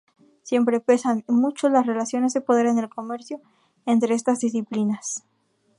Siempre pesan, y mucho, las relaciones de poder en el comercio entre estas disciplinas.